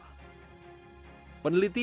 peneliti pusat riset kebencanaan gempanya